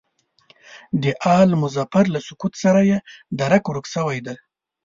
د آل مظفر له سقوط سره یې درک ورک شوی دی.